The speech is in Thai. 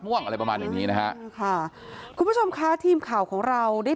ม่วงอะไรประมาณอย่างนี้นะฮะค่ะคุณผู้ชมค่ะทีมข่าวของเราได้